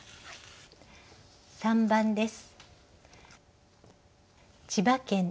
３番です。